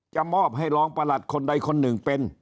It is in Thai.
จะมอบให้รองประหลัดคนใดคนหนึ่งเป็น